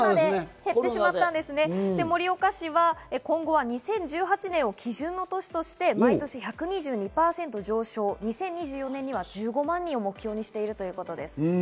減ってしまって盛岡市は今後２０１８年を基準の年として、毎年１２２％上昇、２０２４年には１５万人を目標にしています。